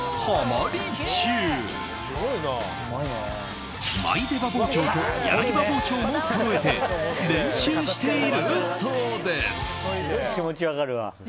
マイ出刃包丁と柳刃包丁もそろえて練習しているそうです。